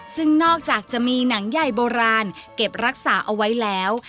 ซึ่งนอกจากจะมีหนังใหญ่โบราณเก็บรักษาเอาไว้แล้ว